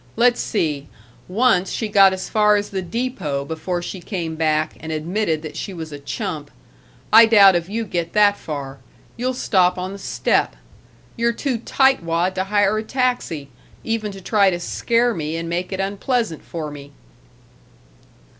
Let's see. Once she got as far as the depot before she came back and admitted that she was a chump. I doubt if you get that far. You'll stop on the step. You're too tightwad to hire a taxi, even to try to scare me and make it unpleasant for me."